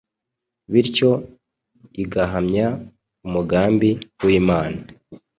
bityo igahamya umugambi w’Imana